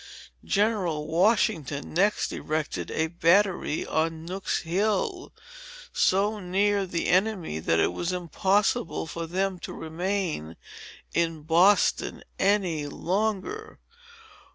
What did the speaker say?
General Washington next erected a battery on Nook's hill, so near the enemy, that it was impossible for them to remain in Boston any longer."